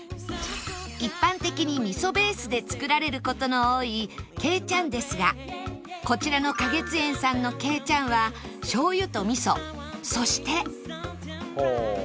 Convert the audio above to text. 一般的に味噌ベースで作られる事の多いけいちゃんですがこちらの香月宴さんのけいちゃんは醤油と味噌そして何？